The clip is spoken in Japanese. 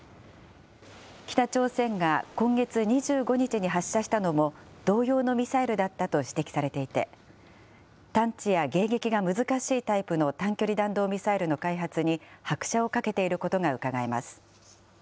北朝鮮が今月２５日に発射したのも同様のミサイルだったと指摘されていて、探知や迎撃が難しいタイプの短距離弾道ミサイルの開発に拍車をかけていることがうかがえます。